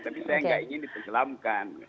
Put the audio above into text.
tapi saya gak ingin diselamatkan